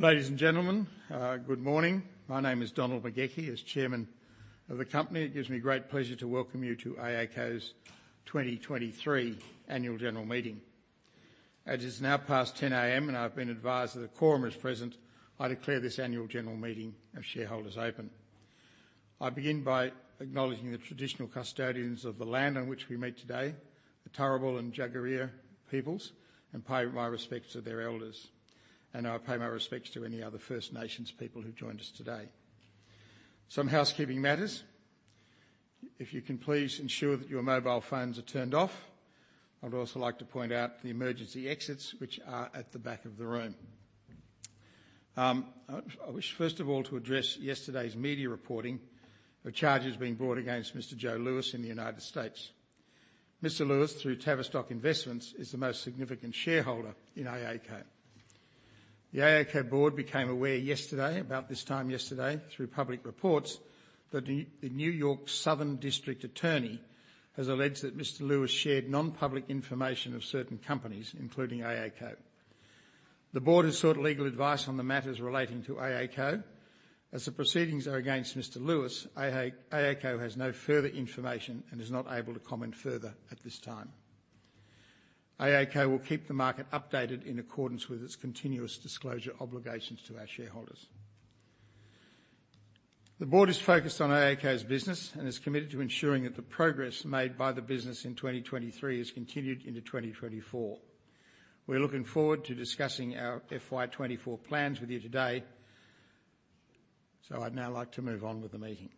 Ladies and gentlemen, good morning. My name is Donald McGauchie. As Chairman of the company, it gives me great pleasure to welcome you to AACo's 2023 Annual General Meeting. As it's now past 10:00 A.M., and I've been advised that a quorum is present, I declare this annual general meeting of shareholders open. I begin by acknowledging the traditional custodians of the land on which we meet today, the Turrbal and Jagera peoples, and pay my respects to their elders, and I pay my respects to any other First Nations people who've joined us today. Some housekeeping matters: if you can please ensure that your mobile phones are turned off. I'd also like to point out the emergency exits, which are at the back of the room. I wish, first of all, to address yesterday's media reporting of charges being brought against Mr. Joe Lewis in the United States. Mr. Lewis, through Tavistock Investments, is the most significant shareholder in AACo. The AACo Board became aware yesterday, about this time yesterday, through public reports, that the New York Southern District Attorney has alleged that Mr. Lewis shared non-public information of certain companies, including AACo. The Board has sought legal advice on the matters relating to AACo. As the proceedings are against Mr. Lewis, AACo has no further information and is not able to comment further at this time. AACo will keep the market updated in accordance with its continuous disclosure obligations to our shareholders. The Board is focused on AACo's business and is committed to ensuring that the progress made by the business in 2023 is continued into 2024. We're looking forward to discussing our FY 2024 plans with you today. I'd now like to move on with the meeting.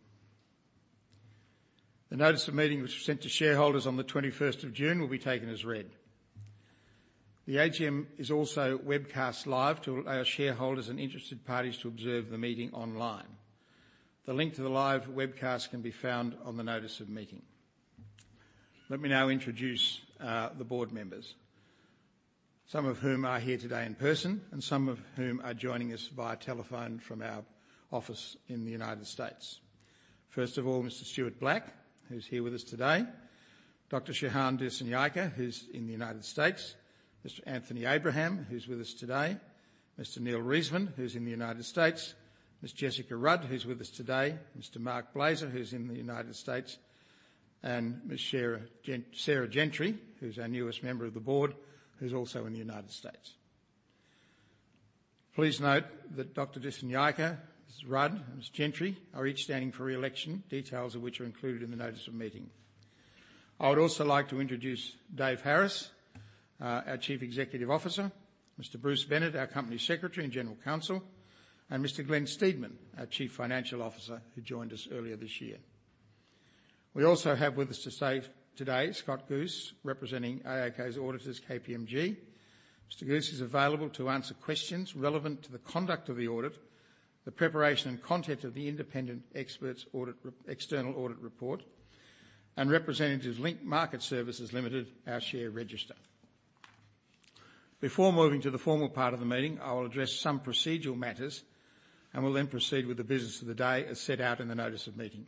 The Notice of Meeting, which was sent to shareholders on the 21st of June, will be taken as read. The AGM is also webcast live to allow shareholders and interested parties to observe the meeting online. The link to the live webcast can be found on the Notice of Meeting. Let me now introduce the Board members, some of whom are here today in person and some of whom are joining us via telephone from our office in the United States. First of all, Mr. Stuart Black, who's here with us today, Dr. Shehan Dissanayake, who's in the United States, Mr. Anthony Abraham, who's with us today, Mr. Neil Reisman, who's in the United States, Ms. Jessica Rudd, who's with us today, Mr. Marc Blazer, who's in the United States. Sarah Gentry, who's our newest member of the Board, who's also in the United States. Please note that Dr. Shehan Dissanayake, Ms. Rudd, and Ms. Gentry are each standing for re-election, details of which are included in the notice of meeting. I would also like to introduce David Harris, our Chief Executive Officer, Mr. Bruce Bennett, our Company Secretary and General Counsel, and Mr. Glen Steedman, our Chief Financial Officer, who joined us earlier this year. We also have with us today, Scott Guse, representing AACo's auditors, KPMG. Mr. Guse is available to answer questions relevant to the conduct of the audit, the preparation and content of the Independent Experts External Audit Report, and representatives of Link Market Services Limited, our share register. Before moving to the formal part of the meeting, I will address some procedural matters and will then proceed with the business of the day, as set out in the notice of meeting.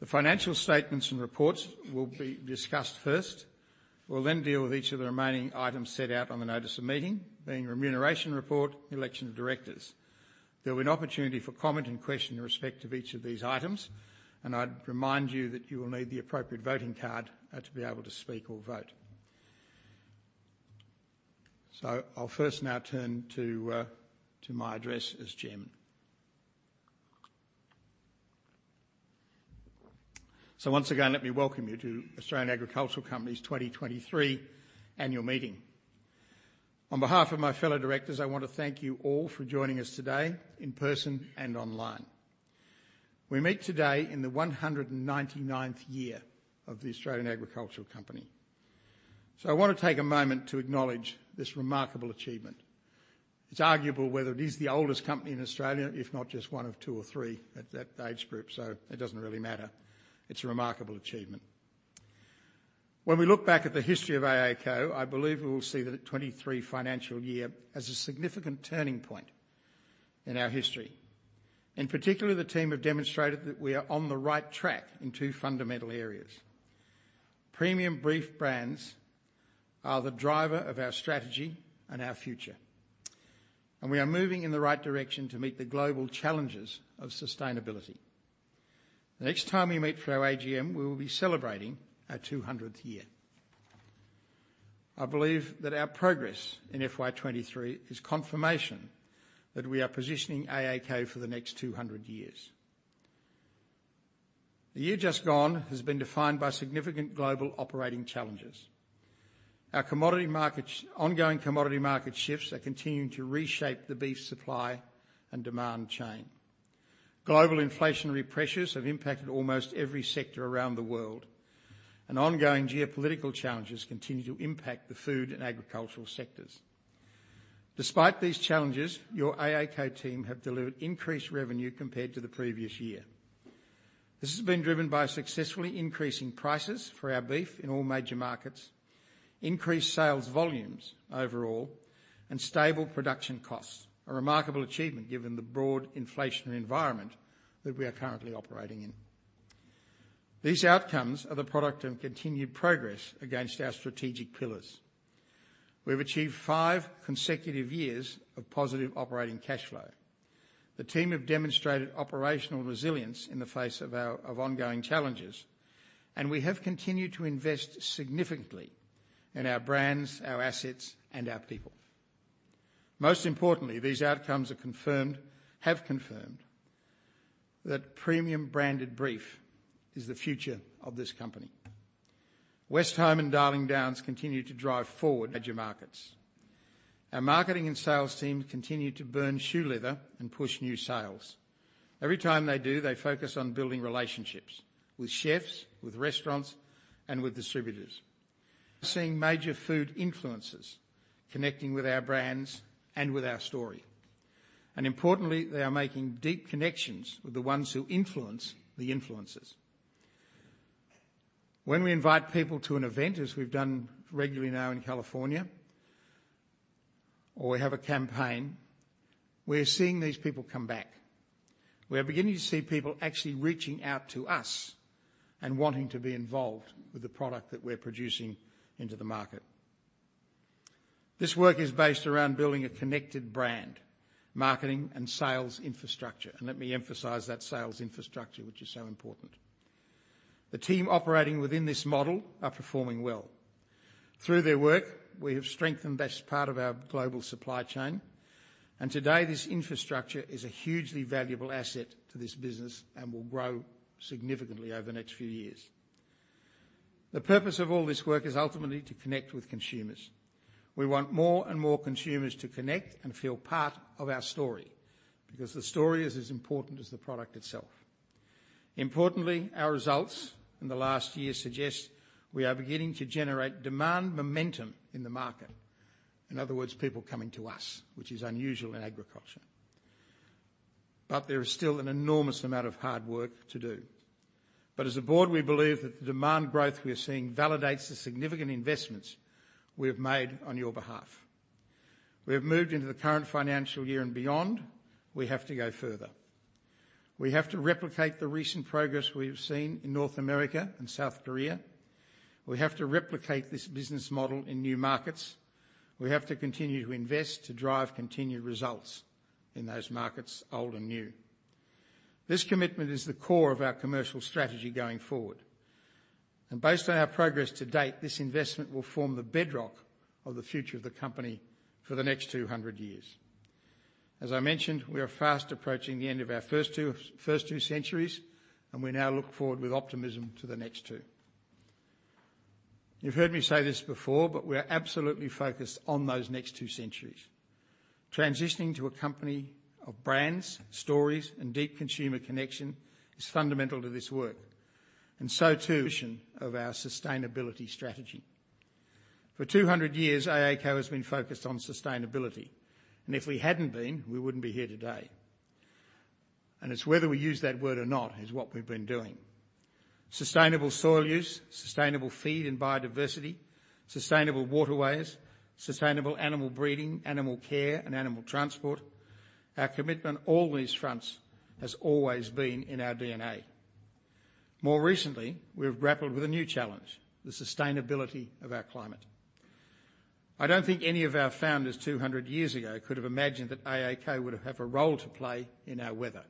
The financial statements and reports will be discussed first. We'll then deal with each of the remaining items set out on the Notice of Meeting, being Remuneration Report, Election of Directors. There will be an opportunity for comment and question in respect of each of these items, and I'd remind you that you will need the appropriate voting card to be able to speak or vote. I'll first now turn to my address as chairman. Once again, let me welcome you to Australian Agricultural Company's 2023 Annual Meeting. On behalf of my fellow directors, I want to thank you all for joining us today in person and online. We meet today in the 199th year of the Australian Agricultural Company. I want to take a moment to acknowledge this remarkable achievement. It's arguable whether it is the oldest company in Australia, if not just one of two or three at that age group, so it doesn't really matter. It's a remarkable achievement. When we look back at the history of AACo, I believe we will see the 2023 financial year as a significant turning point in our history. In particular, the team have demonstrated that we are on the right track in two fundamental areas. Premium beef brands are the driver of our strategy and our future. We are moving in the right direction to meet the global challenges of sustainability. The next time we meet for our AGM, we will be celebrating our 200th year. I believe that our progress in FY 2023 is confirmation that we are positioning AACo for the next 200 years. The year just gone has been defined by significant global operating challenges. Our ongoing commodity market shifts are continuing to reshape the beef supply and demand chain. Global inflationary pressures have impacted almost every sector around the world, and ongoing geopolitical challenges continue to impact the food and agricultural sectors. Despite these challenges, your AACo team have delivered increased revenue compared to the previous year. This has been driven by successfully increasing prices for our beef in all major markets, increased sales volumes overall, and stable production costs, a remarkable achievement given the broad inflationary environment that we are currently operating in. These outcomes are the product of continued progress against our strategic pillars. We've achieved five consecutive years of positive operating cash flow. The team have demonstrated operational resilience in the face of ongoing challenges, and we have continued to invest significantly in our brands, our assets and our people. Most importantly, these outcomes have confirmed that premium branded beef is the future of this company. Westholme and Darling Downs continue to drive forward major markets. Our marketing and sales team continue to burn shoe leather and push new sales. Every time they do, they focus on building relationships with chefs, with restaurants, and with distributors. Seeing major food influencers connecting with our brands and with our story, and importantly, they are making deep connections with the ones who influence the influencers. When we invite people to an event, as we've done regularly now in California, or we have a campaign, we are seeing these people come back. We are beginning to see people actually reaching out to us and wanting to be involved with the product that we're producing into the market. This work is based around building a connected brand, marketing and sales infrastructure, and let me emphasize that sales infrastructure, which is so important. The team operating within this model are performing well. Through their work, we have strengthened this part of our global supply chain, and today, this infrastructure is a hugely valuable asset to this business and will grow significantly over the next few years. The purpose of all this work is ultimately to connect with consumers. We want more and more consumers to connect and feel part of our story, because the story is as important as the product itself. Importantly, our results in the last year suggest we are beginning to generate demand momentum in the market. In other words, people coming to us, which is unusual in agriculture. There is still an enormous amount of hard work to do. As a board, we believe that the demand growth we are seeing validates the significant investments we have made on your behalf. We have moved into the current financial year and beyond. We have to go further. We have to replicate the recent progress we have seen in North America and South Korea. We have to replicate this business model in new markets. We have to continue to invest to drive continued results in those markets, old and new. This commitment is the core of our commercial strategy going forward, and based on our progress to date, this investment will form the bedrock of the future of the company for the next 200 years. As I mentioned, we are fast approaching the end of our first two centuries, and we now look forward with optimism to the next two. You've heard me say this before, but we are absolutely focused on those next two centuries. Transitioning to a company of brands, stories, and deep consumer connection is fundamental to this work, and so too, of our sustainability strategy. For 200 years, AACo has been focused on sustainability, and if we hadn't been, we wouldn't be here today. It's whether we use that word or not, is what we've been doing. Sustainable soil use, sustainable feed and biodiversity, sustainable waterways, sustainable animal breeding, animal care, and animal transport. Our commitment on all these fronts has always been in our DNA. More recently, we have grappled with a new challenge: the sustainability of our climate. I don't think any of our founders 200 years ago could have imagined that AACo would have a role to play in our weather,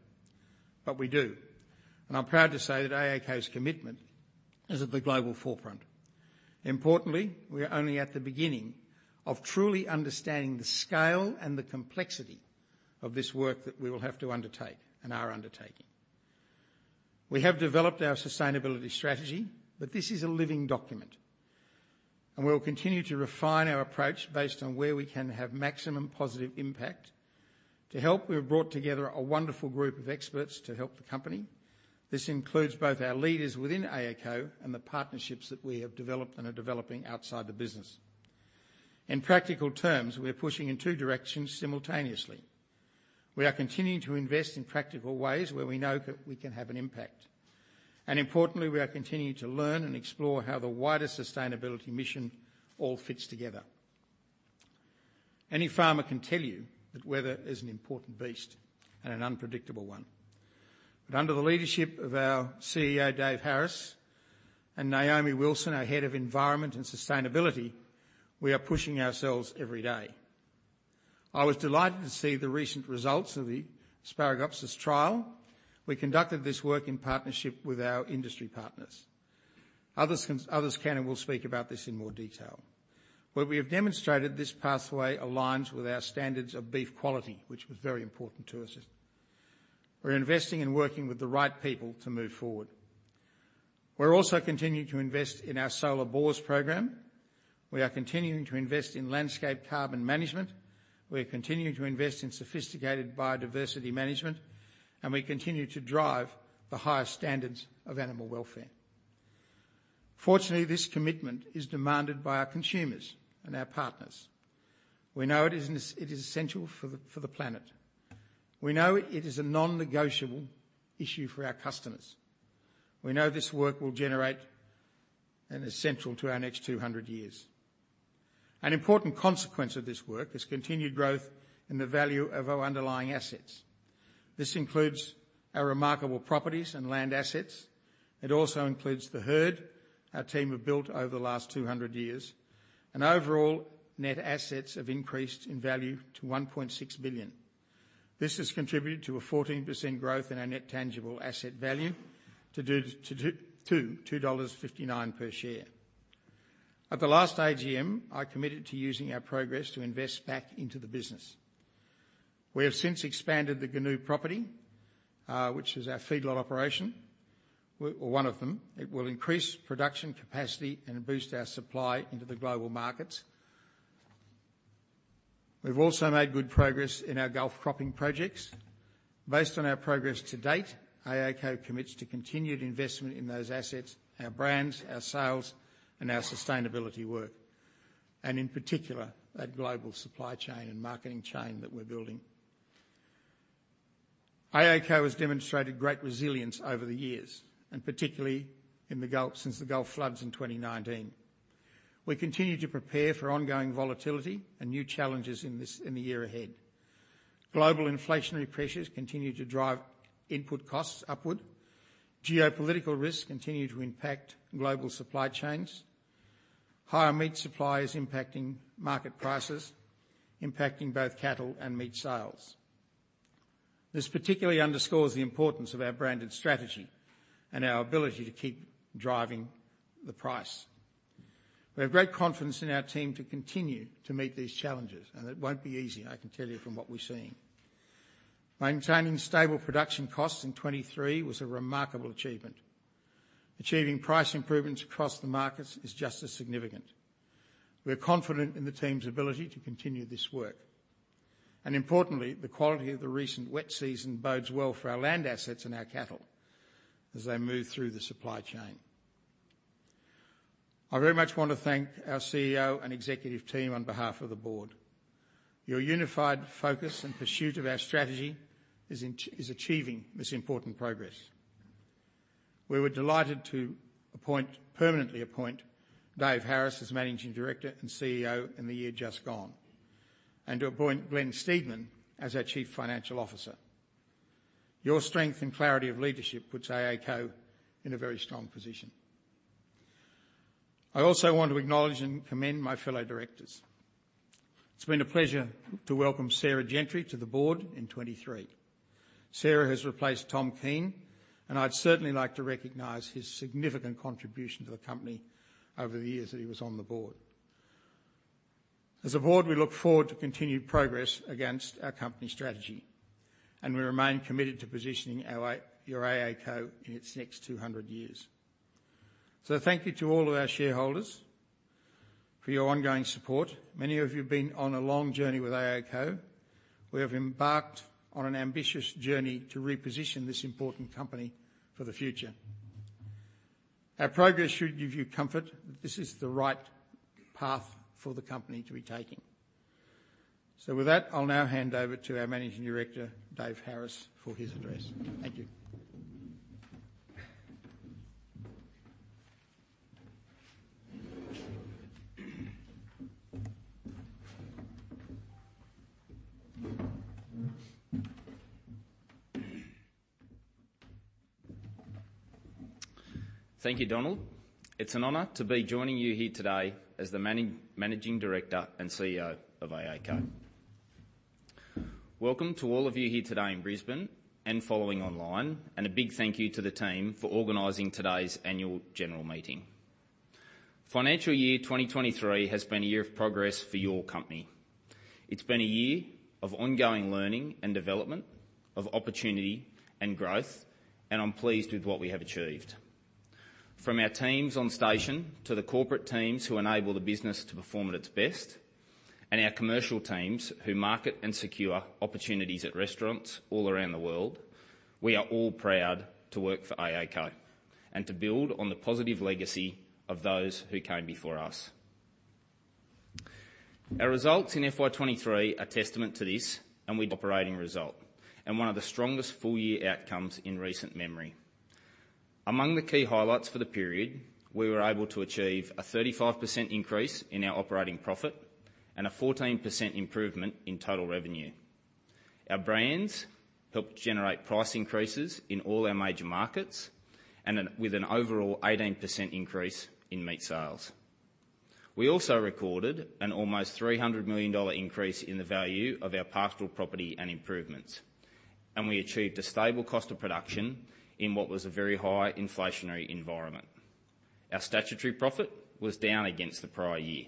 but we do, and I'm proud to say that AACo's commitment is at the global forefront. Importantly, we are only at the beginning of truly understanding the scale and the complexity of this work that we will have to undertake and are undertaking. We have developed our sustainability strategy, but this is a living document, and we will continue to refine our approach based on where we can have maximum positive impact. To help, we have brought together a wonderful group of experts to help the company. This includes both our leaders within AACo and the partnerships that we have developed and are developing outside the business. In practical terms, we are pushing in two directions simultaneously. We are continuing to invest in practical ways where we know that we can have an impact, and importantly, we are continuing to learn and explore how the wider sustainability mission all fits together. Any farmer can tell you that weather is an important beast and an unpredictable one. Under the leadership of our CEO, Dave Harris, and Naomi Wilson, our Head of Environment and Sustainability, we are pushing ourselves every day. I was delighted to see the recent results of the Asparagopsis trial. We conducted this work in partnership with our industry partners. Others can and will speak about this in more detail, but we have demonstrated this pathway aligns with our standards of beef quality, which was very important to us. We're investing in working with the right people to move forward. We're also continuing to invest in our solar bores program. We are continuing to invest in landscape carbon management. We are continuing to invest in sophisticated biodiversity management, and we continue to drive the highest standards of animal welfare. Fortunately, this commitment is demanded by our consumers and our partners. We know it is essential for the planet. We know it is a non-negotiable issue for our customers. We know this work will generate and is central to our next 200 years. An important consequence of this work is continued growth in the value of our underlying assets. This includes our remarkable properties and land assets. It also includes the herd our team have built over the last 200 years, and overall net assets have increased in value to 1.6 billion. This has contributed to a 14% growth in our net tangible asset value to 2.59 dollars per share. At the last AGM, I committed to using our progress to invest back into the business. We have since expanded the Goonoo property, which is our feedlot operation, or one of them. It will increase production capacity and boost our supply into the global markets. We've also made good progress in our Gulf cropping projects. Based on our progress to date, AACo commits to continued investment in those assets, our brands, our sales, and our sustainability work, and in particular, that global supply chain and marketing chain that we're building. AACo has demonstrated great resilience over the years, and particularly in the Gulf, since the Gulf floods in 2019. We continue to prepare for ongoing volatility in the year ahead. Global inflationary pressures continue to drive input costs upward. Geopolitical risks continue to impact global supply chains. Higher meat supply is impacting market prices, impacting both cattle and meat sales. This particularly underscores the importance of our branded strategy and our ability to keep driving the price. We have great confidence in our team to continue to meet these challenges. It won't be easy, I can tell you from what we're seeing. Maintaining stable production costs in 2023 was a remarkable achievement. Achieving price improvements across the markets is just as significant. We're confident in the team's ability to continue this work. Importantly, the quality of the recent wet season bodes well for our land assets and our cattle as they move through the supply chain. I very much want to thank our CEO and Executive Team on behalf of the Board. Your unified focus and pursuit of our strategy is achieving this important progress. We were delighted to appoint, permanently appoint Dave Harris as Managing Director and CEO in the year just gone, and to appoint Glen Steedman as our Chief Financial Officer. Your strength and clarity of leadership puts AACo in a very strong position. I also want to acknowledge and commend my fellow directors. It's been a pleasure to welcome Sarah Gentry to the Board in 2023. Sarah has replaced Tom Keene. I'd certainly like to recognize his significant contribution to the company over the years that he was on the Board. As a board, we look forward to continued progress against our company strategy, we remain committed to positioning your AACo in its next 200 years. Thank you to all of our shareholders for your ongoing support. Many of you have been on a long journey with AACo. We have embarked on an ambitious journey to reposition this important company for the future. Our progress should give you comfort that this is the right path for the company to be taking. With that, I'll now hand over to our Managing Director, Dave Harris, for his address. Thank you. Thank you, Donald. It's an honor to be joining you here today as the Managing Director and CEO of AACo. Welcome to all of you here today in Brisbane and following online, a big thank you to the team for organizing today's Annual General Meeting. Financial year 2023 has been a year of progress for your company. It's been a year of ongoing learning and development, of opportunity and growth, I'm pleased with what we have achieved. From our teams on station to the corporate teams who enable the business to perform at its best, our commercial teams, who market and secure opportunities at restaurants all around the world, we are all proud to work for AACo and to build on the positive legacy of those who came before us. Our results in FY 2023 are testament to this, and operating result and one of the strongest full-year outcomes in recent memory. Among the key highlights for the period, we were able to achieve a 35% increase in our operating profit and a 14% improvement in total revenue. Our brands helped generate price increases in all our major markets with an overall 18% increase in meat sales. We also recorded an almost 300 million dollar increase in the value of our pastoral property and improvements, and we achieved a stable cost of production in what was a very high inflationary environment. Our statutory profit was down against the prior year,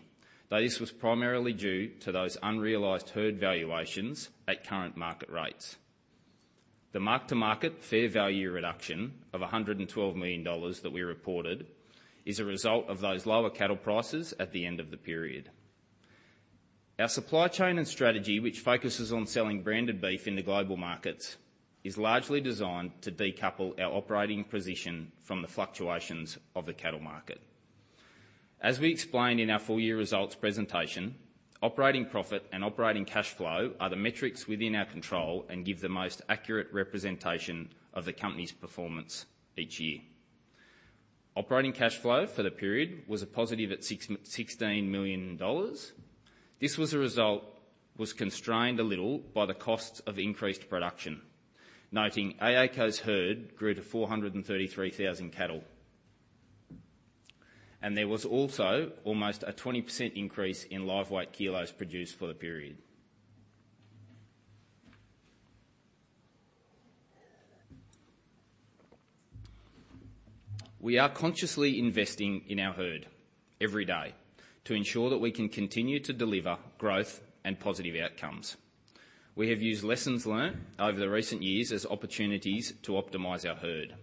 though this was primarily due to those unrealized herd valuations at current market rates. The mark-to-market fair value reduction of 112 million dollars that we reported is a result of those lower cattle prices at the end of the period. Our supply chain and strategy, which focuses on selling branded beef in the global markets, is largely designed to decouple our operating position from the fluctuations of the cattle market. As we explained in our full-year results presentation, operating profit and operating cash flow are the metrics within our control and give the most accurate representation of the company's performance each year. Operating cash flow for the period was a positive at 16 million dollars. This was a result, constrained a little by the costs of increased production, noting AACo's herd grew to 433,000 cattle. There was also almost a 20% increase in live weight kilos produced for the period. We are consciously investing in our herd every day to ensure that we can continue to deliver growth and positive outcomes. We have used lessons learned over the recent years as opportunities to optimize our herd.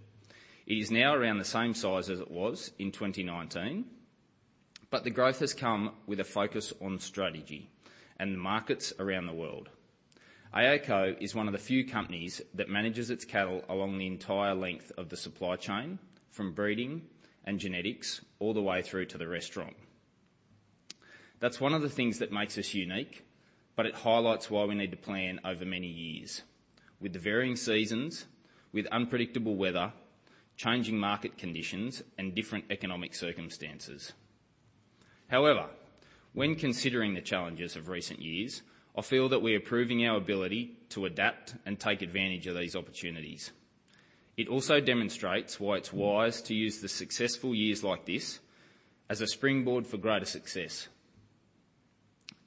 It is now around the same size as it was in 2019, but the growth has come with a focus on strategy and the markets around the world. AACo is one of the few companies that manages its cattle along the entire length of the supply chain, from breeding and genetics all the way through to the restaurant. That's one of the things that makes us unique, but it highlights why we need to plan over many years with the varying seasons, with unpredictable weather, changing market conditions, and different economic circumstances. However, when considering the challenges of recent years, I feel that we are proving our ability to adapt and take advantage of these opportunities. It also demonstrates why it's wise to use the successful years like this as a springboard for greater success,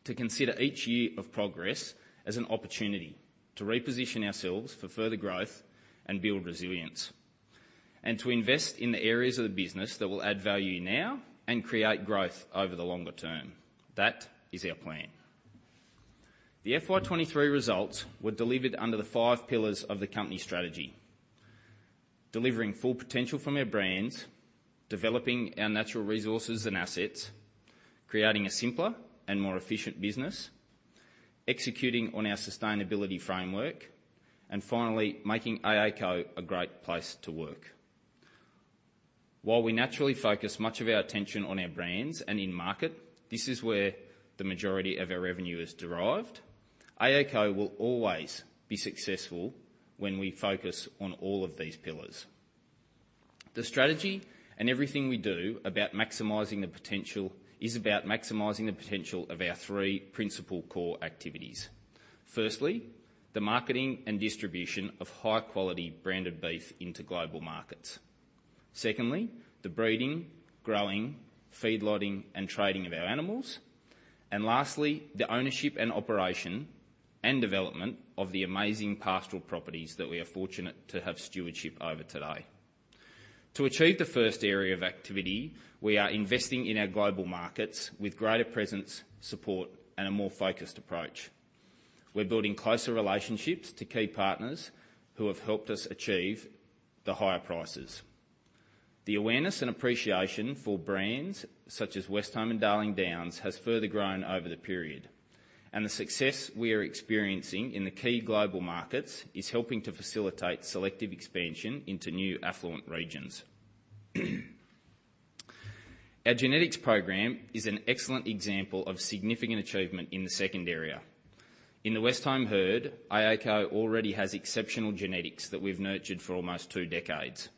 to consider each year of progress as an opportunity to reposition ourselves for further growth and build resilience, and to invest in the areas of the business that will add value now and create growth over the longer term. That is our plan. The FY 2023 results were delivered under the five pillars of the company strategy: delivering full potential from our brands, developing our natural resources and assets, creating a simpler and more efficient business, executing on our sustainability framework, and finally, making AACo a great place to work. While we naturally focus much of our attention on our brands and in market, this is where the majority of our revenue is derived. AACo will always be successful when we focus on all of these pillars. The strategy and everything we do about maximizing the potential, is about maximizing the potential of our three principal core activities. Firstly, the marketing and distribution of high-quality branded beef into global markets. Secondly, the breeding, growing, feedlotting, and trading of our animals. Lastly, the ownership and operation and development of the amazing pastoral properties that we are fortunate to have stewardship over today. To achieve the first area of activity, we are investing in our global markets with greater presence, support, and a more focused approach. We're building closer relationships to key partners who have helped us achieve the higher prices. The awareness and appreciation for brands such as Westholme and Darling Downs has further grown over the period, and the success we are experiencing in the key global markets is helping to facilitate selective expansion into new affluent regions. Our genetics program is an excellent example of significant achievement in the second area. In the Westholme herd, AACo already has exceptional genetics that we've nurtured for almost two decades.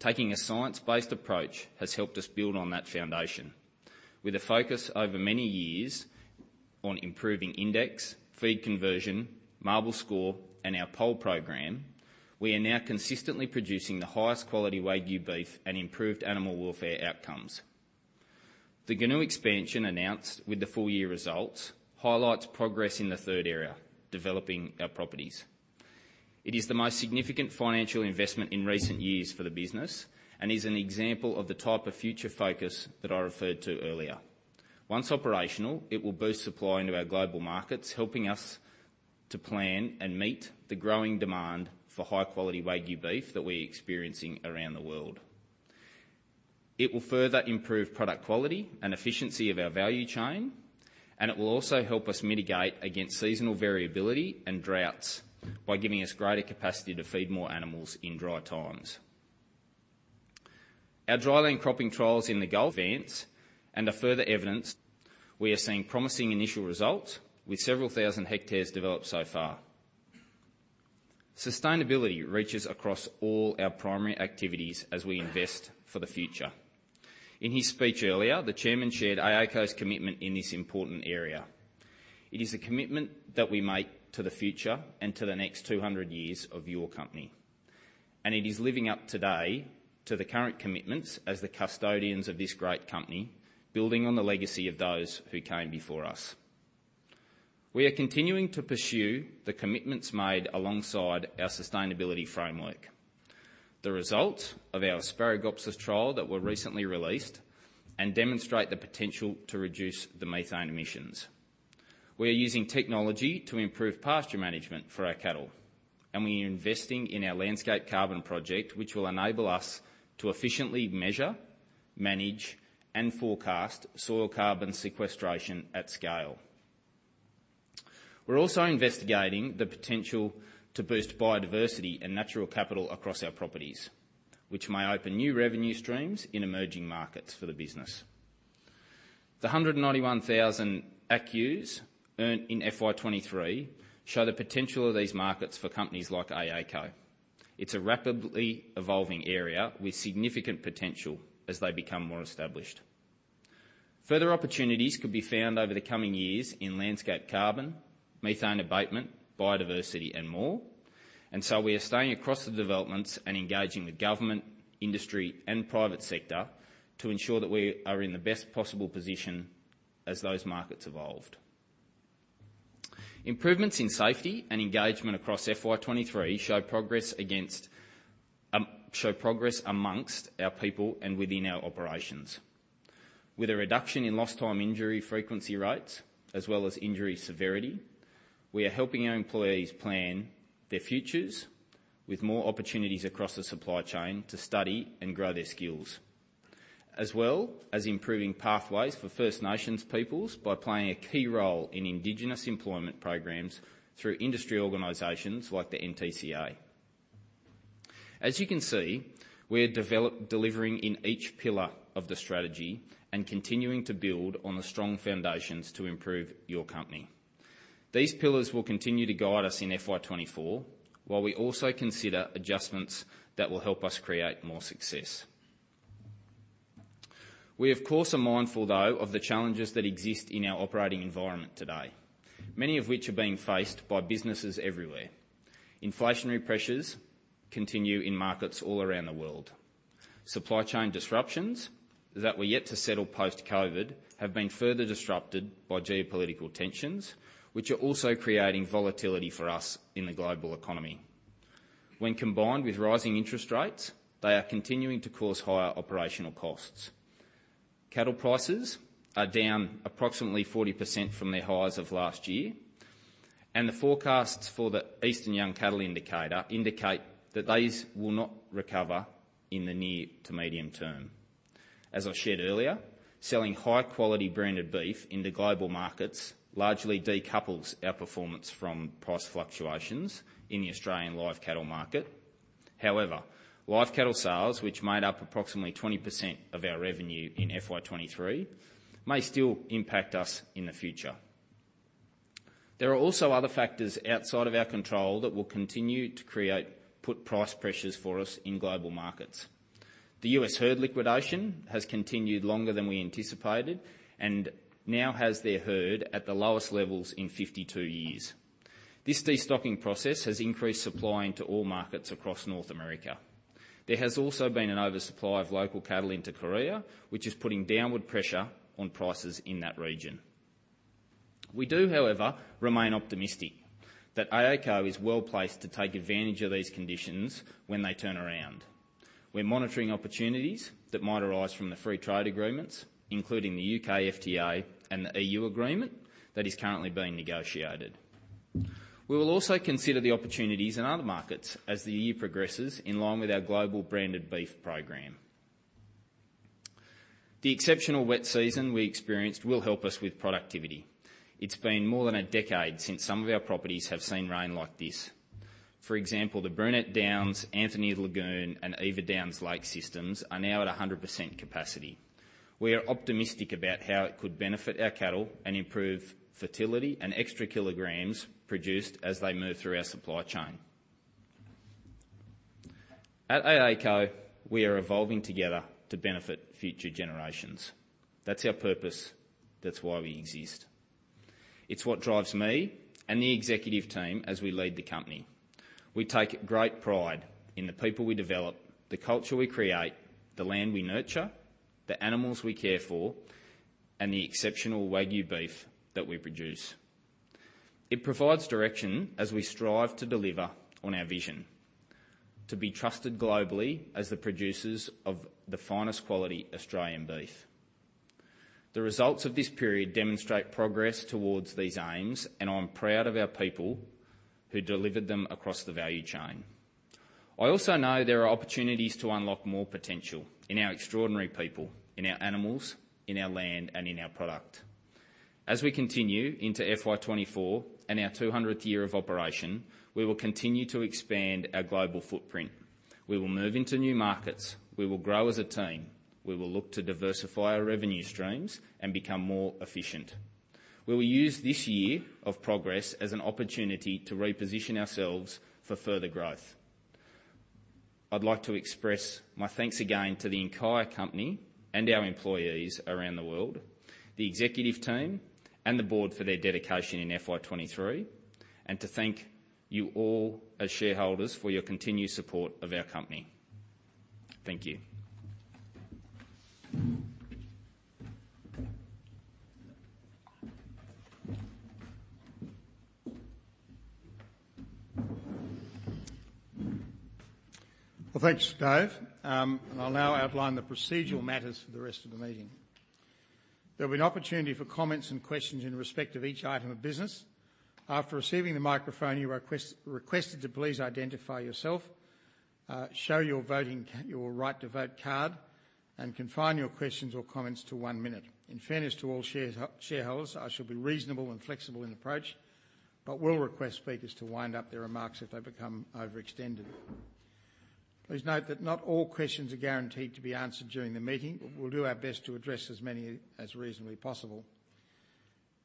Taking a science-based approach has helped us build on that foundation. With a focus over many years on improving index, feed conversion, marble score, and our poll program, we are now consistently producing the highest quality Wagyu beef and improved animal welfare outcomes. The Goonoo expansion announced with the full year results highlights progress in the third area, developing our properties. It is the most significant financial investment in recent years for the business and is an example of the type of future focus that I referred to earlier. Once operational, it will boost supply into our global markets, helping us to plan and meet the growing demand for high-quality Wagyu beef that we're experiencing around the world. It will further improve product quality and efficiency of our value chain, and it will also help us mitigate against seasonal variability and droughts by giving us greater capacity to feed more animals in dry times. Our dry land cropping trials in the Gulf advance and are further evidence we are seeing promising initial results with several thousand hectares developed so far. Sustainability reaches across all our primary activities as we invest for the future. In his speech earlier, the chairman shared AACo's commitment in this important area. It is a commitment that we make to the future and to the next 200 years of your company, and it is living up today to the current commitments as the custodians of this great company, building on the legacy of those who came before us. We are continuing to pursue the commitments made alongside our sustainability framework. The results of our Asparagopsis trial that were recently released and demonstrate the potential to reduce the methane emissions. We are using technology to improve pasture management for our cattle, and we are investing in our landscape carbon project, which will enable us to efficiently measure, manage, and forecast soil carbon sequestration at scale. We're also investigating the potential to boost biodiversity and natural capital across our properties, which may open new revenue streams in emerging markets for the business.... The 191,000 ACCUs earned in FY 2023 show the potential of these markets for companies like AACo. It's a rapidly evolving area with significant potential as they become more established. Further opportunities could be found over the coming years in landscape carbon, methane abatement, biodiversity, and more. We are staying across the developments and engaging with government, industry, and private sector to ensure that we are in the best possible position as those markets evolve. Improvements in safety and engagement across FY 2023 show progress amongst our people and within our operations. With a reduction in lost time injury frequency rates, as well as injury severity, we are helping our employees plan their futures with more opportunities across the supply chain to study and grow their skills, as well as improving pathways for First Nations peoples by playing a key role in indigenous employment programs through industry organizations like the NTCA. As you can see, we are delivering in each pillar of the strategy and continuing to build on the strong foundations to improve your company. These pillars will continue to guide us in FY 2024, while we also consider adjustments that will help us create more success. We, of course, are mindful, though, of the challenges that exist in our operating environment today, many of which are being faced by businesses everywhere. Inflationary pressures continue in markets all around the world. Supply chain disruptions that were yet to settle post-COVID have been further disrupted by geopolitical tensions, which are also creating volatility for us in the global economy. When combined with rising interest rates, they are continuing to cause higher operational costs. Cattle prices are down approximately 40% from their highs of last year, and the forecasts for the Eastern Young Cattle Indicator indicate that these will not recover in the near to medium term. As I shared earlier, selling high-quality branded beef into global markets largely decouples our performance from price fluctuations in the Australian live cattle market. However, live cattle sales, which made up approximately 20% of our revenue in FY 2023, may still impact us in the future. There are also other factors outside of our control that will continue to put price pressures for us in global markets. The U.S. herd liquidation has continued longer than we anticipated and now has their herd at the lowest levels in 52 years. This destocking process has increased supply into all markets across North America. There has also been an oversupply of local cattle into Korea, which is putting downward pressure on prices in that region. We do, however, remain optimistic that AACo is well-placed to take advantage of these conditions when they turn around. We're monitoring opportunities that might arise from the free trade agreements, including the U.K. FTA and the EU agreement that is currently being negotiated. We will also consider the opportunities in other markets as the year progresses, in line with our global branded beef program. The exceptional wet season we experienced will help us with productivity. It's been more than a decade since some of our properties have seen rain like this. For example, the Burnett Downs, Anthony Lagoon, and Eva Downs lake systems are now at 100% capacity. We are optimistic about how it could benefit our cattle and improve fertility and extra kilograms produced as they move through our supply chain. At AACo, we are evolving together to benefit future generations. That's our purpose. That's why we exist. It's what drives me and the Executive Team as we lead the company. We take great pride in the people we develop, the culture we create, the land we nurture, the animals we care for, and the exceptional Wagyu beef that we produce. It provides direction as we strive to deliver on our vision: to be trusted globally as the producers of the finest quality Australian beef. The results of this period demonstrate progress towards these aims, and I'm proud of our people who delivered them across the value chain. I also know there are opportunities to unlock more potential in our extraordinary people, in our animals, in our land, and in our product. As we continue into FY 2024 and our 200th year of operation, we will continue to expand our global footprint. We will move into new markets. We will grow as a team. We will look to diversify our revenue streams and become more efficient. We will use this year of progress as an opportunity to reposition ourselves for further growth. I'd like to express my thanks again to the entire company and our employees around the world, the Executive Team, and the Board for their dedication in FY 2023, and to thank you all as shareholders for your continued support of our company. Thank you. Well, thanks, Dave. I'll now outline the procedural matters for the rest of the meeting. There'll be an opportunity for comments and questions in respect of each item of business. After receiving the microphone, you are requested to please identify yourself, show your voting, your right to vote card, and confine your questions or comments to one minute. In fairness to all shareholders, I shall be reasonable and flexible in approach, but will request speakers to wind up their remarks if they become overextended. Please note that not all questions are guaranteed to be answered during the meeting. We'll do our best to address as many as reasonably possible.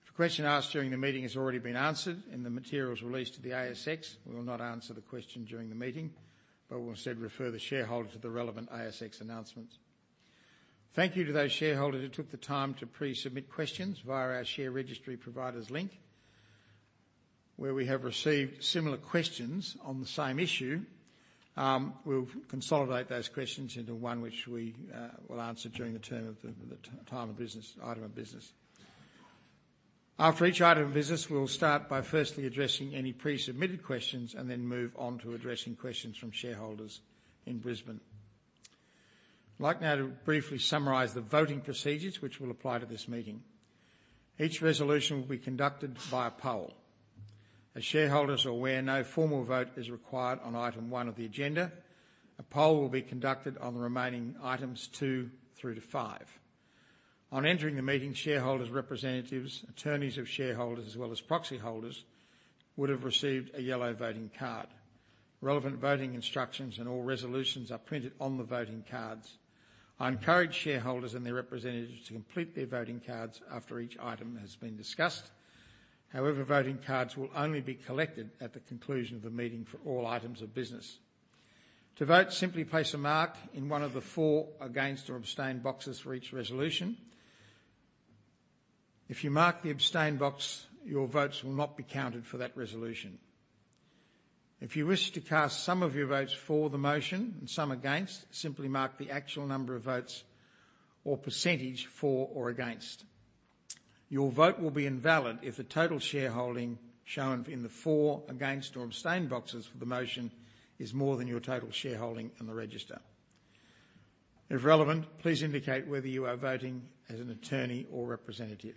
If a question asked during the meeting has already been answered in the materials released to the ASX, we will not answer the question during the meeting, but we'll instead refer the shareholder to the relevant ASX announcements. Thank you to those shareholders who took the time to pre-submit questions via our share registry provider's link. Where we have received similar questions on the same issue, we'll consolidate those questions into one which we will answer during the item of business. After each item of business, we will start by firstly addressing any pre-submitted questions and then move on to addressing questions from shareholders in Brisbane. I'd like now to briefly summarize the voting procedures which will apply to this meeting. Each resolution will be conducted by a poll. As shareholders are aware, no formal vote is required on item one of the agenda. A poll will be conducted on the remaining items 2 through to 5. On entering the meeting, shareholders, representatives, attorneys of shareholders, as well as proxy holders, would have received a yellow voting card. Relevant voting instructions and all resolutions are printed on the voting cards. I encourage shareholders and their representatives to complete their voting cards after each item has been discussed. However, voting cards will only be collected at the conclusion of the meeting for all items of business. To vote, simply place a mark in one of the four Against or Abstain boxes for each resolution. If you mark the Abstain box, your votes will not be counted for that resolution. If you wish to cast some of your votes for the motion and some against, simply mark the actual number of votes or percentage For or Against. Your vote will be invalid if the total shareholding shown in the For, Against, or Abstain boxes for the motion is more than your total shareholding on the register. If relevant, please indicate whether you are voting as an attorney or representative.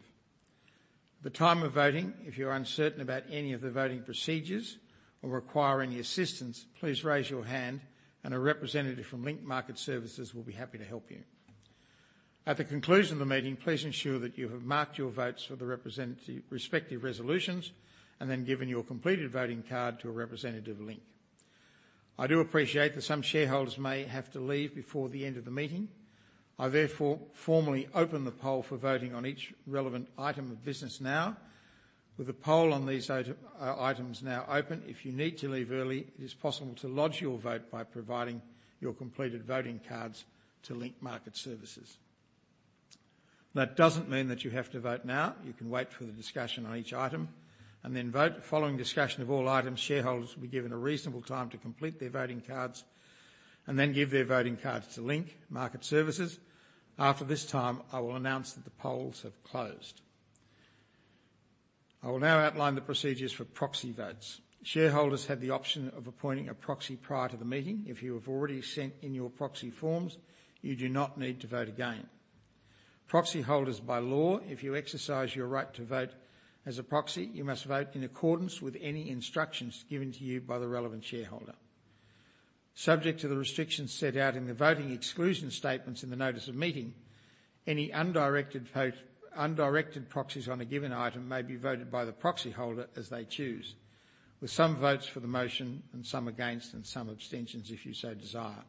At the time of voting, if you're uncertain about any of the voting procedures or require any assistance, please raise your hand and a representative from Link Market Services will be happy to help you. At the conclusion of the meeting, please ensure that you have marked your votes for the respective resolutions then given your completed voting card to a representative of Link. I do appreciate that some shareholders may have to leave before the end of the meeting. I therefore formally open the poll for voting on each relevant item of business now. With the poll on these items now open, if you need to leave early, it is possible to lodge your vote by providing your completed voting cards to Link Market Services. That doesn't mean that you have to vote now. You can wait for the discussion on each item and then vote. Following discussion of all items, shareholders will be given a reasonable time to complete their voting cards and then give their voting cards to Link Market Services. After this time, I will announce that the polls have closed. I will now outline the procedures for proxy votes. Shareholders have the option of appointing a proxy prior to the meeting. If you have already sent in your proxy forms, you do not need to vote again. Proxy holders, by law, if you exercise your right to vote as a proxy, you must vote in accordance with any instructions given to you by the relevant shareholder. Subject to the restrictions set out in the voting exclusion statements in the Notice of Meeting, any undirected vote, undirected proxies on a given item may be voted by the proxy holder as they choose, with some votes for the motion and some against, and some abstentions if you so desire.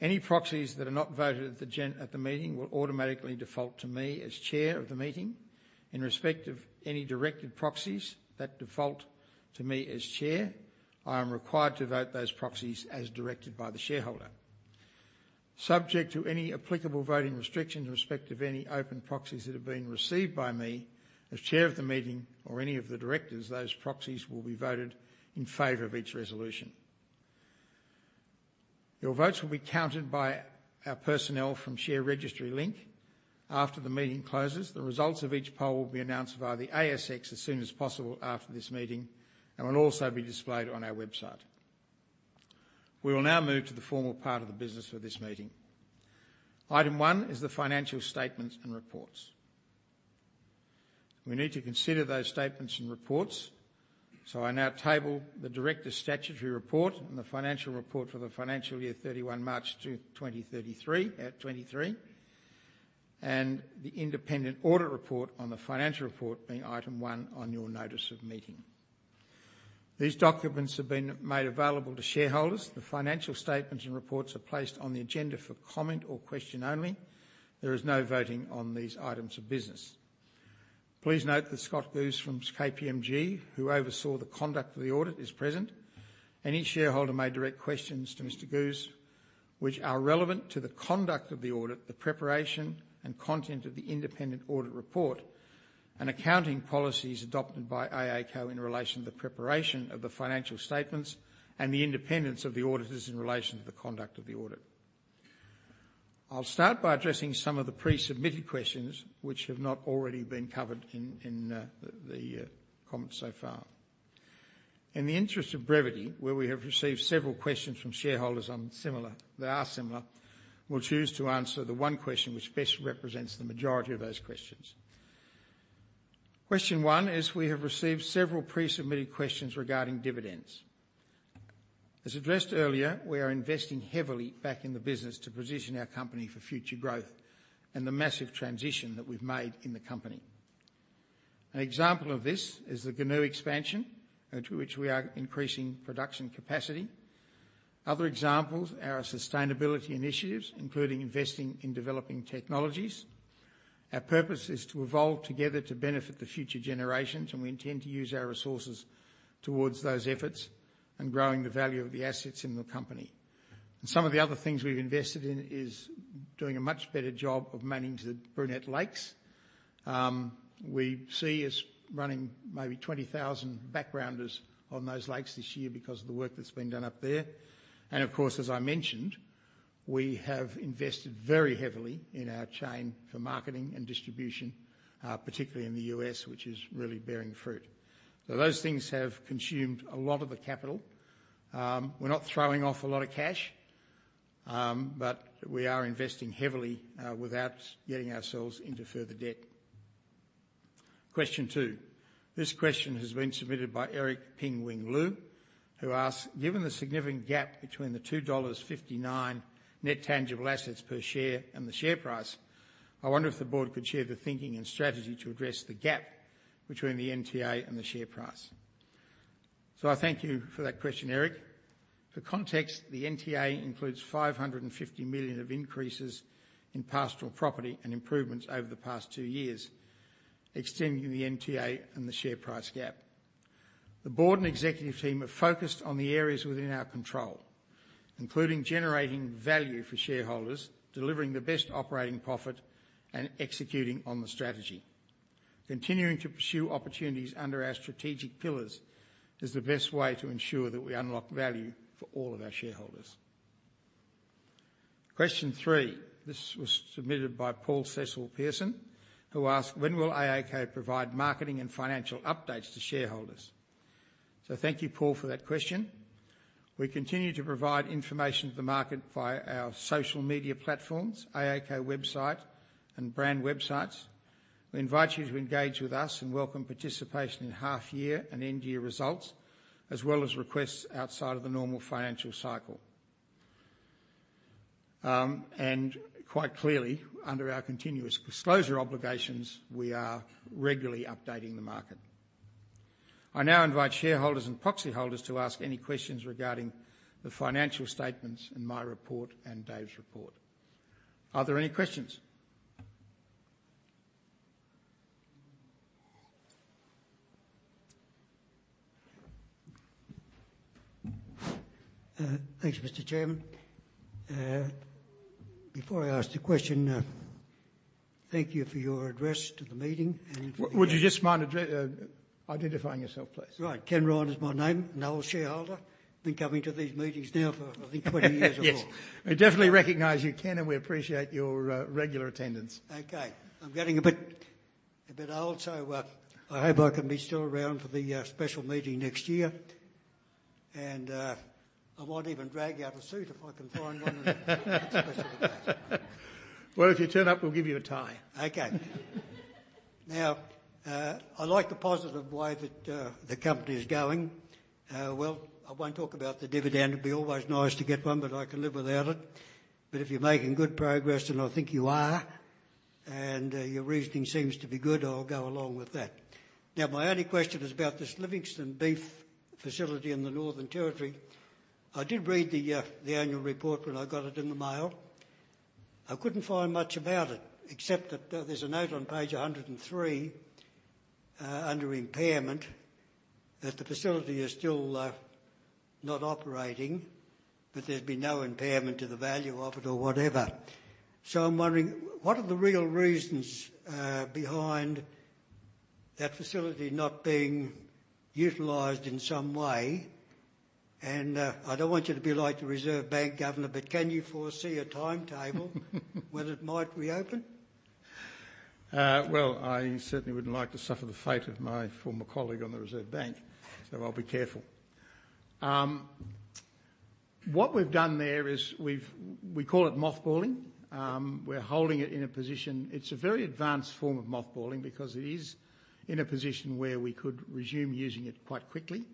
Any proxies that are not voted at the meeting will automatically default to me as Chair of the meeting. In respect of any directed proxies that default to me as Chair, I am required to vote those proxies as directed by the shareholder. Subject to any applicable voting restrictions in respect of any open proxies that have been received by me as Chair of the meeting or any of the directors, those proxies will be voted in favor of each resolution. Your votes will be counted by our personnel from share registry Link. After the meeting closes, the results of each poll will be announced via the ASX as soon as possible after this meeting and will also be displayed on our website. We will now move to the formal part of the business for this meeting. Item 1 is the Financial Statements and Reports. We need to consider those statements and reports. I now table the Directors' Statutory Report and the Financial Report for the financial year 31 March 2023, and the Independent Audit Report on the Financial Report, being item 1 on your Notice of Meeting. These documents have been made available to shareholders. The Financial Statements and Reports are placed on the agenda for comment or question only. There is no voting on these items of business. Please note that Scott Guse from KPMG, who oversaw the conduct of the audit, is present. Each shareholder may direct questions to Mr. Guse, which are relevant to the conduct of the audit, the preparation and content of the Independent Audit Report, and accounting policies adopted by AACo in relation to the preparation of the financial statements and the independence of the auditors in relation to the conduct of the audit. I'll start by addressing some of the pre-submitted questions which have not already been covered in the comments so far. In the interest of brevity, where we have received several questions from shareholders that are similar, we'll choose to answer the one question which best represents the majority of those questions. Question one is: we have received several pre-submitted questions regarding dividends. As addressed earlier, we are investing heavily back in the business to position our company for future growth and the massive transition that we've made in the company. An example of this is the Goonoo expansion, to which we are increasing production capacity. Other examples are our sustainability initiatives, including investing in developing technologies. Our purpose is to evolve together to benefit the future generations, and we intend to use our resources towards those efforts and growing the value of the assets in the company. Some of the other things we've invested in is doing a much better job of managing the Burnett Lakes. We see us running maybe 20,000 backgrounders on those lakes this year because of the work that's been done up there. Of course, as I mentioned, we have invested very heavily in our chain for marketing and distribution, particularly in the U.S., which is really bearing fruit. Those things have consumed a lot of the capital. We're not throwing off a lot of cash, but we are investing heavily without getting ourselves into further debt. Question two. This question has been submitted by Eric Ping Wing Lu, who asks: "Given the significant gap between the 2.59 dollars net tangible assets per share and the share price, I wonder if the Board could share the thinking and strategy to address the gap between the NTA and the share price?" I thank you for that question, Eric. For context, the NTA includes 550 million of increases in pastoral property and improvements over the past two years, extending the NTA and the share price gap. The Board and Executive Team are focused on the areas within our control, including generating value for shareholders, delivering the best operating profit, and executing on the strategy. Continuing to pursue opportunities under our strategic pillars is the best way to ensure that we unlock value for all of our shareholders. Question three. This was submitted by Paul Cecil Pearson, who asks: "When will AACo provide marketing and financial updates to shareholders?" Thank you, Paul, for that question. We continue to provide information to the market via our social media platforms, AACo website and brand websites. We invite you to engage with us and welcome participation in half year and end year results, as well as requests outside of the normal financial cycle. Quite clearly, under our continuous disclosure obligations, we are regularly updating the market. I now invite shareholders and proxy holders to ask any questions regarding the financial statements in my report and Dave's report. Are there any questions? Thank you, Mr. Chairman. Before I ask the question, thank you for your address to the meeting. Would you just mind identifying yourself, please? Right. Ken Ryan is my name, an old shareholder. Been coming to these meetings now for, I think, 20 years or more. Yes, we definitely recognize you, Ken, and we appreciate your regular attendance. Okay. I'm getting a bit old, so, I hope I can be still around for the special meeting next year. I might even drag out a suit if I can find one. Well, if you turn up, we'll give you a tie. Now, I like the positive way that the company is going. Well, I won't talk about the dividend. It'd be always nice to get one, but I can live without it. If you're making good progress, and I think you are, and your reasoning seems to be good, I'll go along with that. My only question is about this Livingstone Beef facility in the Northern Territory. I did read the Annual Report when I got it in the mail. I couldn't find much about it, except that there's a note on page 103, under impairment, that the facility is still not operating, but there's been no impairment to the value of it or whatever. I'm wondering, what are the real reasons behind that facility not being utilized in some way? I don't want you to be like the Reserve Bank governor, but can you foresee a timetable when it might reopen? Well, I certainly wouldn't like to suffer the fate of my former colleague on the Reserve Bank, so I'll be careful. What we've done there is we call it mothballing. We're holding it in a position. It's a very advanced form of mothballing because it is in a position where we could resume using it quite quickly,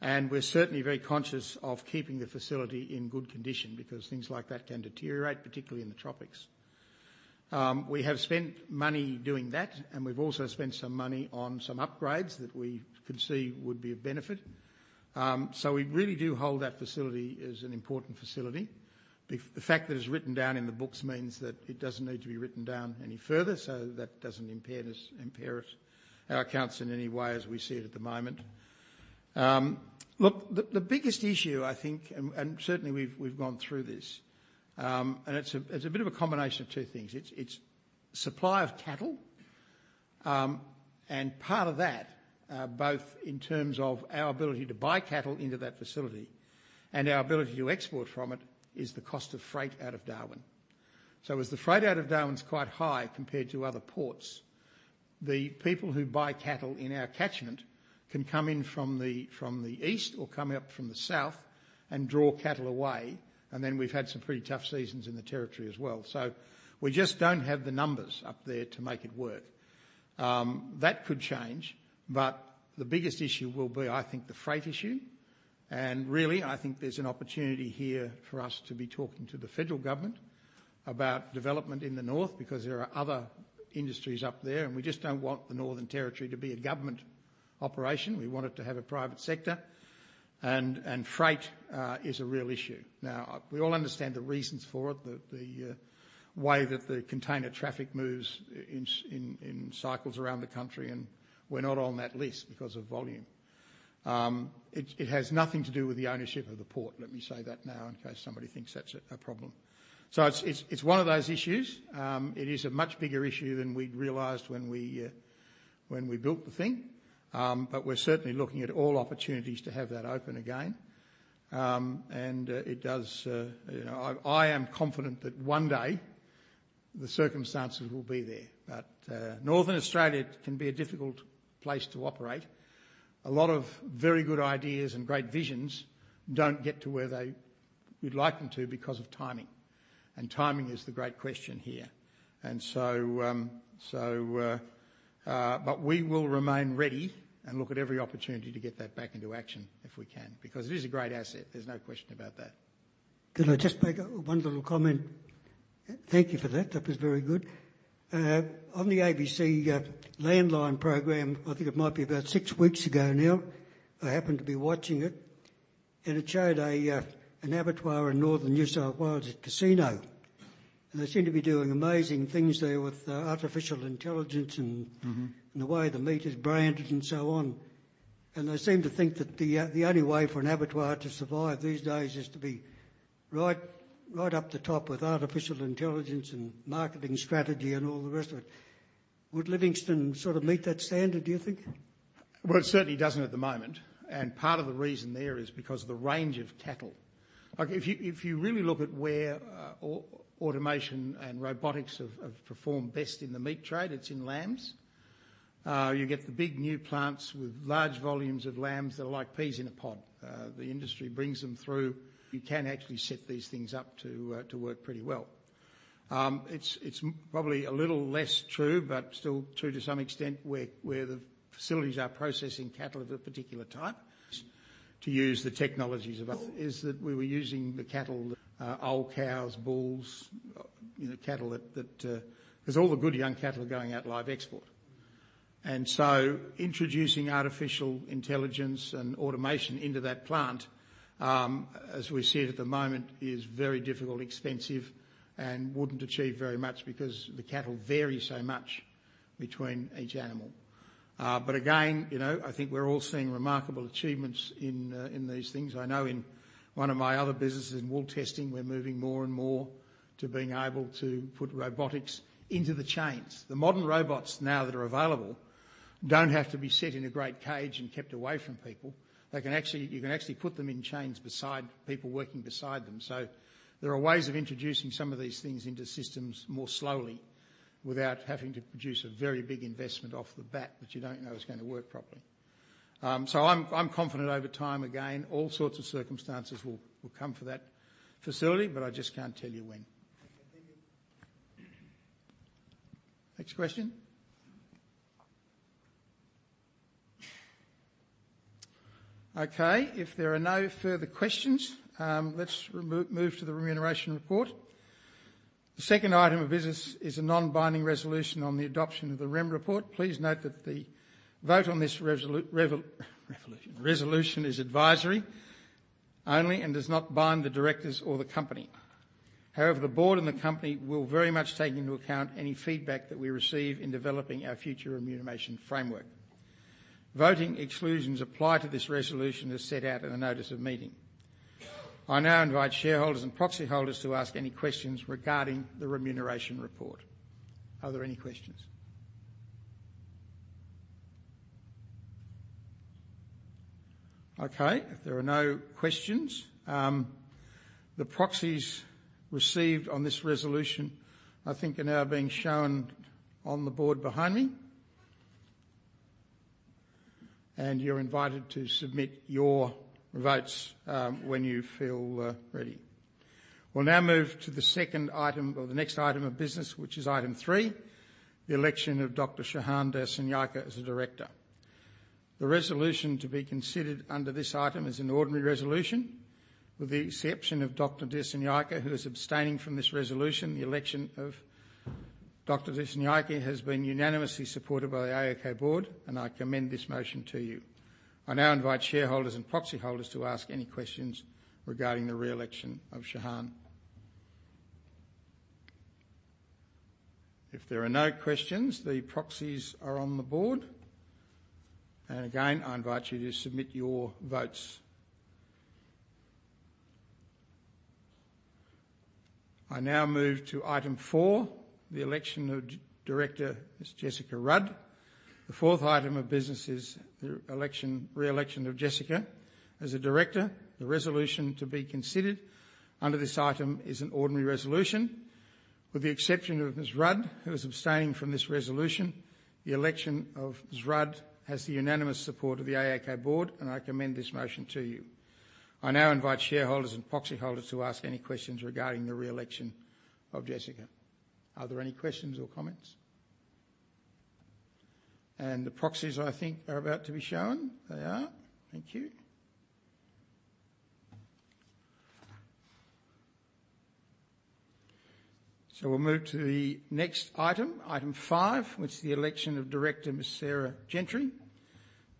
and we're certainly very conscious of keeping the facility in good condition because things like that can deteriorate, particularly in the tropics. We have spent money doing that, and we've also spent some money on some upgrades that we could see would be of benefit. We really do hold that facility as an important facility. The fact that it's written down in the books means that it doesn't need to be written down any further. That doesn't impair us, our accounts in any way as we see it at the moment. Look, the biggest issue, I think, and certainly we've gone through this. It's a bit of a combination of two things. It's supply of cattle. Part of that, both in terms of our ability to buy cattle into that facility and our ability to export from it, is the cost of freight out of Darwin. As the freight out of Darwin is quite high compared to other ports, the people who buy cattle in our catchment can come in from the, from the east or come up from the south and draw cattle away, and then we've had some pretty tough seasons in the territory as well. We just don't have the numbers up there to make it work. That could change, but the biggest issue will be, I think, the freight issue. Really, I think there's an opportunity here for us to be talking to the federal government about development in the north, because there are other industries up there, and we just don't want the Northern Territory to be a government operation. We want it to have a private sector, and freight is a real issue. Now, we all understand the reasons for it, the way that the container traffic moves in, in cycles around the country, and we're not on that list because of volume. It has nothing to do with the ownership of the port, let me say that now in case somebody thinks that's a problem. It's one of those issues. It is a much bigger issue than we'd realized when we built the thing. We're certainly looking at all opportunities to have that open again. You know, I am confident that one day the circumstances will be there. Northern Australia can be a difficult place to operate. A lot of very good ideas and great visions don't get to where we'd like them to, because of timing, and timing is the great question here. We will remain ready and look at every opportunity to get that back into action if we can, because it is a great asset. There's no question about that. Can I just make one little comment? Thank you for that. That was very good. On the ABC, Landline program, I think it might be about six weeks ago now, I happened to be watching it, and it showed a, an abattoir in northern New South Wales at Casino. They seem to be doing amazing things there with, artificial intelligence and- Mm-hmm. And the way the meat is branded and so on. They seem to think that the only way for an abattoir to survive these days is to be right up the top with artificial intelligence and marketing strategy and all the rest of it. Would Livingstone sort of meet that standard, do you think? Well, it certainly doesn't at the moment, part of the reason there is because of the range of cattle. Like, if you really look at where automation and robotics have performed best in the meat trade, it's in lambs. You get the big new plants with large volumes of lambs that are like peas in a pod. The industry brings them through. You can actually set these things up to work pretty well. It's probably a little less true, still true to some extent, where the facilities are processing cattle of a particular type. To use the technologies of... Is that we were using the cattle, old cows, bulls, you know, cattle that 'cause all the good young cattle are going out to live export. Introducing artificial intelligence and automation into that plant, as we see it at the moment, is very difficult, expensive, and wouldn't achieve very much because the cattle vary so much between each animal. Again, you know, I think we're all seeing remarkable achievements in these things. I know in one of my other businesses in wool testing, we're moving more and more to being able to put robotics into the chains. The modern robots now that are available don't have to be sit in a great cage and kept away from people. You can actually put them in chains beside people working beside them. There are ways of introducing some of these things into systems more slowly, without having to produce a very big investment off the bat that you don't know is going to work properly. I'm confident over time, again, all sorts of circumstances will come for that facility, but I just can't tell you when. Okay, thank you. Next question? Okay, if there are no further questions, let's move to the Remuneration Report. The second item of business is a non-binding resolution on the adoption of the Rem Report. Please note that the vote on this resolution is advisory only and does not bind the directors or the company. However, the Board and the company will very much take into account any feedback that we receive in developing our future remuneration framework. Voting exclusions apply to this resolution as set out in the Notice of Meeting. I now invite shareholders and proxy holders to ask any questions regarding the Remuneration Report. Are there any questions? Okay, if there are no questions, the proxies received on this resolution, I think, are now being shown on the board behind me. You're invited to submit your votes when you feel ready. We'll now move to the second item, or the next item of business, which is item 3, the election of Dr. Shehan Dissanayake as a director. The resolution to be considered under this item is an ordinary resolution, with the exception of Dr. Dissanayake, who is abstaining from this resolution. The election of Dr. Dissanayake has been unanimously supported by the AACo Board, and I commend this motion to you. I now invite shareholders and proxy holders to ask any questions regarding the re-election of Shehan. If there are no questions, the proxies are on the board, and again, I invite you to submit your votes. I now move to item 4, the election of Director Ms. Jessica Rudd. The fourth item of business is the re-election of Jessica as a director. The resolution to be considered under this item is an ordinary resolution, with the exception of Ms. Rudd, who is abstaining from this resolution. The election of Ms. Rudd has the unanimous support of the AACo Board. I commend this motion to you. I now invite shareholders and proxy holders to ask any questions regarding the re-election of Jessica. Are there any questions or comments? The proxies, I think, are about to be shown. They are. Thank you. We'll move to the next item 5, which is the election of Director, Ms. Sarah Gentry.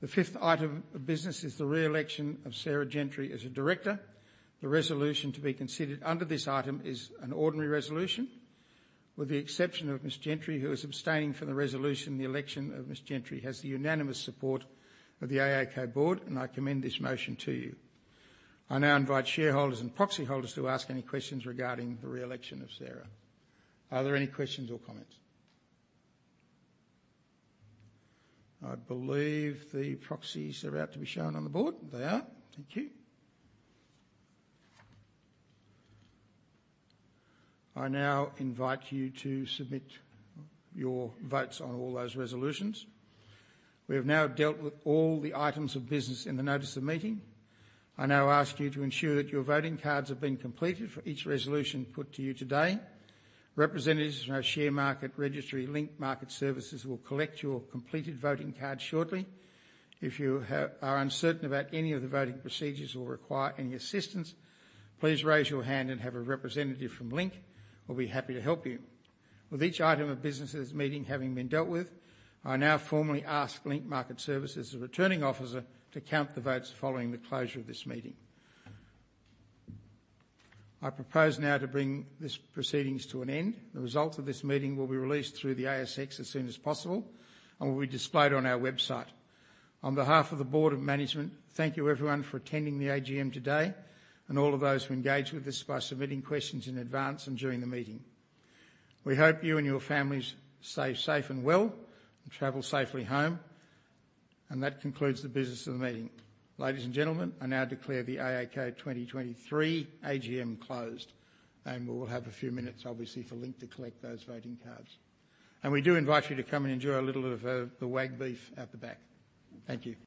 The fifth item of business is the re-election of Sarah Gentry as a director. The resolution to be considered under this item is an ordinary resolution. With the exception of Ms. Gentry, who is abstaining from the resolution, the election of Ms. Gentry has the unanimous support of the AACo Board. I commend this motion to you. I now invite shareholders and proxy holders to ask any questions regarding the re-election of Sarah Gentry. Are there any questions or comments? I believe the proxies are about to be shown on the board. They are. Thank you. I now invite you to submit your votes on all those resolutions. We have now dealt with all the items of business in the notice of meeting. I now ask you to ensure that your voting cards have been completed for each resolution put to you today. Representatives from our share market registry, Link Market Services, will collect your completed voting card shortly. If you are uncertain about any of the voting procedures or require any assistance, please raise your hand and have a representative from Link will be happy to help you. With each item of business at this meeting having been dealt with, I now formally ask Link Market Services, the Returning Officer, to count the votes following the closure of this meeting. I propose now to bring these proceedings to an end. The results of this meeting will be released through the ASX as soon as possible and will be displayed on our website. On behalf of the Board of Management, thank you, everyone, for attending the AGM today and all of those who engaged with us by submitting questions in advance and during the meeting. We hope you and your families stay safe and well, and travel safely home. That concludes the business of the meeting. Ladies and gentlemen, I now declare the AACo 2023 AGM closed, and we will have a few minutes, obviously, for Link to collect those voting cards. We do invite you to come and enjoy a little bit of the Wagyu beef at the back. Thank you.